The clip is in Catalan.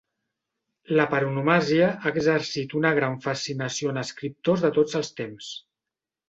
La paronomàsia ha exercit una gran fascinació en escriptors de tots els temps.